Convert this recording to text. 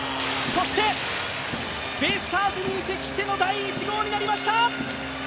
そして、ベイスターズに移籍しての第１号になりました！